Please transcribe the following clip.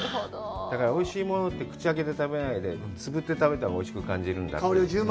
だからおいしいものって口開けて食べないで、つぶって食べたほうがおいしく感じるんだって。